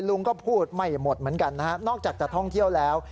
ลุงก็พูดไม่หมดเหมือนกันนะฮะนอกจากจะท่องเที่ยวแล้ว